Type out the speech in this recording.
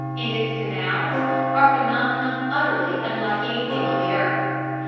and its "canals" are phenomena utterly unlike anything on the earth.